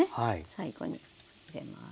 最後に入れます。